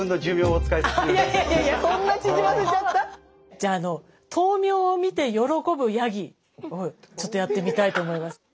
じゃああの豆苗を見て喜ぶヤギをちょっとやってみたいと思います。